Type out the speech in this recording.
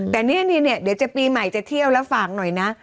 แต่เนี่ยเดี๋ยวจะปีใหม่จะเที่ยวแล้วฝากหน่อยนะ